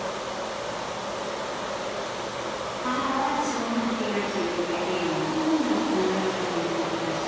母はすごく手が器用でいろんなもの縫うこともできたし。